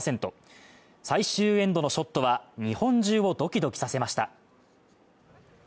最終エンドのショットは日本中をドキドキさせました。